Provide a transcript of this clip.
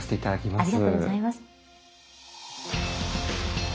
ありがとうございます。